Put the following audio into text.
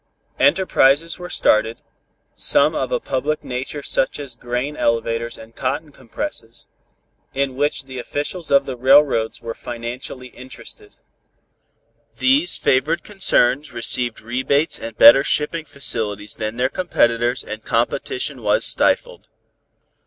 Enterprises were started, some of a public nature such as grain elevators and cotton compresses, in which the officials of the railroads were financially interested. These favored concerns received rebates and better shipping facilities than their competitors and competition was stifled.